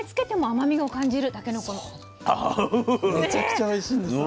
めちゃくちゃおいしいんですよ。